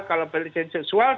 kalau pelesehan seksual terminologi